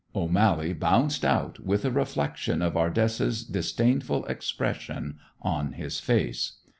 O'Mally bounced out with a reflection of Ardessa's disdainful expression on his face.